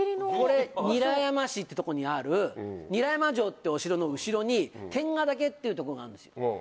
これ韮山市ってとこにある韮山城ってお城の後ろに天ヶ岳っていう所があるんですよ。